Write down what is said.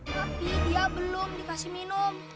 tapi dia belum dikasih minum